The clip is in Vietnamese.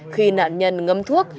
khi nạn nhân ngâm thuốc